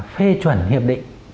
phê chuẩn hiệp định